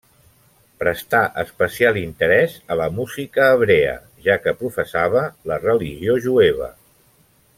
Prestà especial interès a la música hebrea, ja que professava la religió jueva.